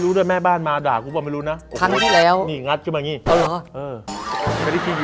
แล้วก็ไม่ได้ใครเชื่อว่าตัวเนี้ยตัดทิ้ง